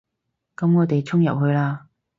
噉我哋衝入去啦